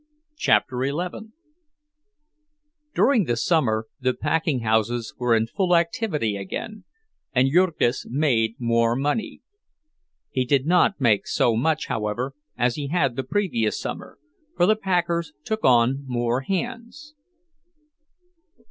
CHAPTER XI During the summer the packing houses were in full activity again, and Jurgis made more money. He did not make so much, however, as he had the previous summer, for the packers took on more hands.